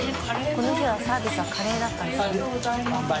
この日はサービスはカレーだったんだ。